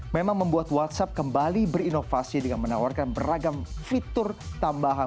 memang membuat whatsapp kembali berinovasi dengan menawarkan beragam fitur tambahan